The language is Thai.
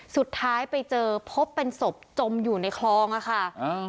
สุดท้ายไปเจอพบเป็นศพจมอยู่ในคลองอะค่ะ